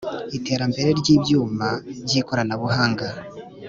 Iterambere ry ibyuma by ikoranabuhanga